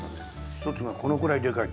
１つがこのくらいでかい。